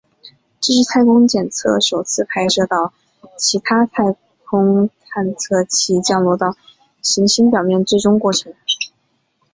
这是太空探测器首次拍摄到其他太空探测器降落到行星表面最终过程。